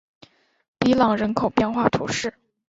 比朗人口变化图示